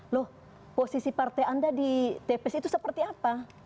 loh posisi partai anda di tps itu seperti apa